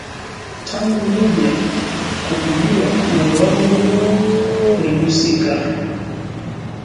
Tangu nije kukujua, moyo wangu ligusika